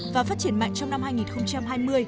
và phát triển mạnh trong năm hai nghìn hai mươi